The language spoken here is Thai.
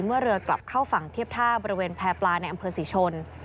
เมื่อเรือกลับเข้าฝั่งเทียบท่าบริเวณแพร่ปลาในอำเภอศรีชน